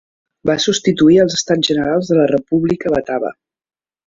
Va substituir els Estats Generals de la República Batava.